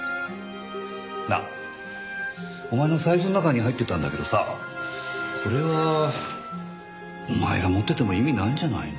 なあお前の財布の中に入ってたんだけどさこれはお前が持ってても意味ないんじゃないの？